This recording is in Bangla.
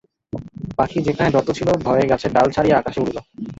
পাখি যেখানে যত ছিল ভয়ে গাছের ডাল ছাড়িয়া আকাশে উড়িল।